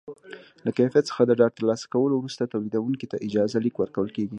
له کیفیت څخه د ډاډ ترلاسه کولو وروسته تولیدوونکي ته اجازه لیک ورکول کېږي.